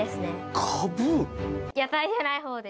野菜じゃないほうです。